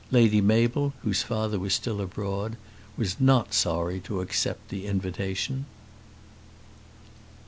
Lady Mabel, whose father was still abroad, was not sorry to accept the invitation.